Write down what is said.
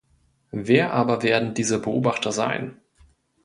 Wer aber werden diese Beobachter sein?